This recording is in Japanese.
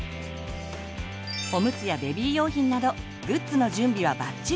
おむつやベビー用品などグッズの準備はバッチリ。